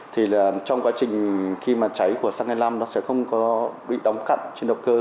thì trong quá trình khi mà cháy của xăng hai mươi năm nó sẽ không có bị đóng cặn trên động cơ